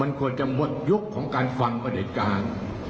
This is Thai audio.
มันควรจะหมดยุคของการฟังประเด็จการ